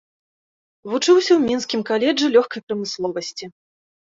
Вучыўся ў мінскім каледжы лёгкай прамысловасці.